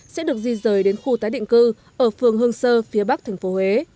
sẽ được di rời đến khu tái định cư ở phường hương sơ phía bắc tp huế